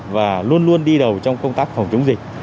và luôn luôn đi đầu trong công tác phòng chống dịch